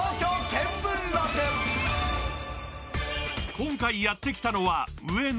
今回やってきたのは上野。